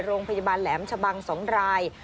โรงพยาบาลแหลมชะบัง๒ราย